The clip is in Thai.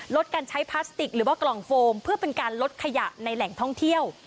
ลดการใช้พลาสติกหรือว่ากล่องโฟมเพื่อเป็นการลดขยะในแหล่งท่องเที่ยว